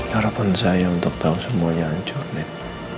harapan saya untuk tahu semuanya hancur nip